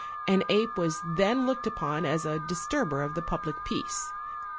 An ape was then looked upon as a disturber of the public peace.